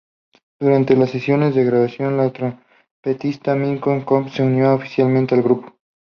Durante las sesiones de grabación, el trompetista Mick Cooke se unió oficialmente al grupo.